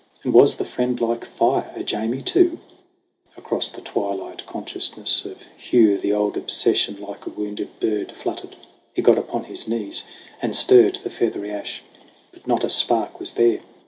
And was the friendlike fire a Jamie too ? Across the twilit consciousness of Hugh The old obsession like a wounded bird Fluttered. He got upon his knees and stirred The feathery ash ; but not a spark was there.